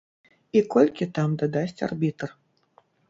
І колькі там дадасць арбітр.